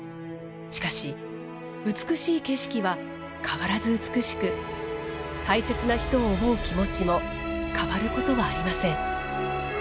しかし、美しい景色は変わらず美しく大切な人を思う気持ちも変わることはありません。